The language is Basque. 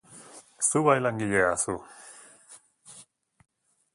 Zu bai langilea, zu.